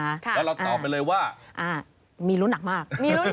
แล้วเราตอบไปเลยว่ามีรุ้นหนักมาก